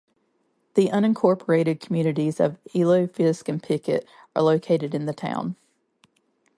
The unincorporated communities of Elo, Fisk, and Pickett are located in the town.